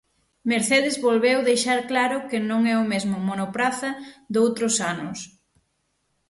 Mercedes volveu deixar claro que non é o mesmo monopraza doutros anos.